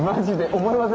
思いません？